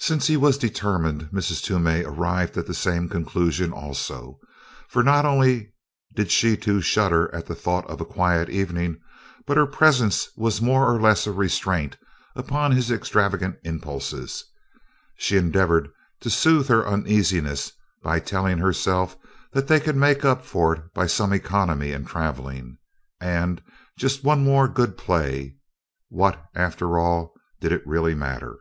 Since he was determined, Mrs. Toomey arrived at the same conclusion also, for not only did she too shudder at the thought of a quiet evening, but her presence was more or less of a restraint upon his extravagant impulses. She endeavored to soothe her uneasiness by telling herself that they could make up for it by some economy in traveling. And just one more good play what, after all, did it really matter?